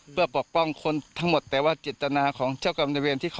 เพื่อปล่องคนทั้งหมดแต่ว่าจิตนาของเจ้ากรรมในเวร